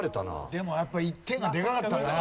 でもやっぱり１点がでかかったんだな。